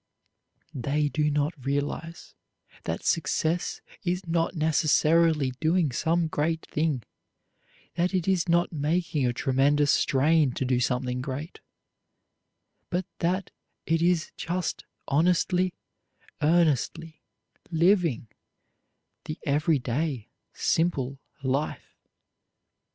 They do not realize that success is not necessarily doing some great thing, that it is not making a tremendous strain to do something great; but that it is just honestly, earnestly living the everyday simple life.